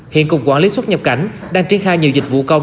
hiện cục quản lý xuất nhập cảnh đang triển khai nhiều dịch vụ công